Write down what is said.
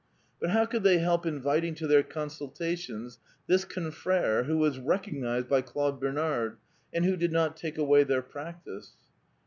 But how could they help inviting to their consultations this confrere who was recognized by Claude Bernard, and who did not take away their practice?